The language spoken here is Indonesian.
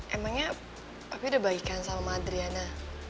emangnya papi udah baik kan sama mama adriana